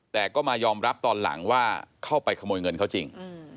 แต่ก็มายอมรับตอนหลังว่าเข้าไปขโมยเงินเขาจริง